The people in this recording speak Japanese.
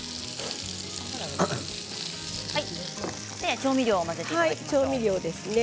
調味料を混ぜていただきます。